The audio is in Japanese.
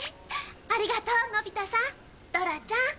ありがとうのび太さんドラちゃん。